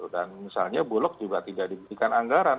dan misalnya bulog juga tidak diberikan anggaran